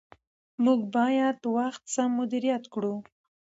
موږ باید وخت سم مدیریت کړو